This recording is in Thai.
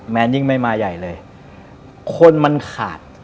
ยิ่งไม่มาใหญ่เลยคนมันขาด